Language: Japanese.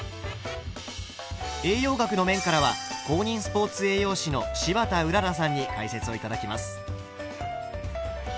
栄養学の面からは公認スポーツ栄養士の柴田麗さんに解説を頂きます。